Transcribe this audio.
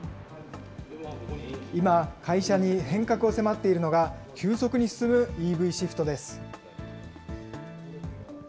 今、会社に変革を迫っているのが、急速に進むＥＶシフトです。